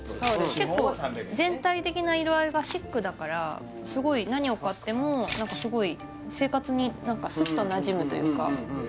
結構全体的な色合いがシックだからすごい何を買っても何かすごい生活に何かスッとなじむというかへえ